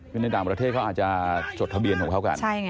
วินาทีประเทศเขาอาจจะจดทะเบียนของเขากัน